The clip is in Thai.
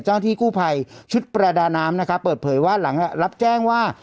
ที่กู้ภัยชุดประดาน้ำนะครับเปิดเผยว่าหลังรับแจ้งว่า